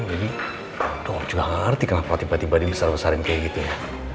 dong juga ngerti kenapa tiba tiba dibesar besarin kayak gitu ya